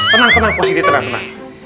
tenang tenang posisi tenang tenang